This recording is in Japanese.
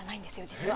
実は。